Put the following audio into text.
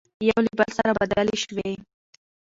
يو له بل سره بدلې شوې،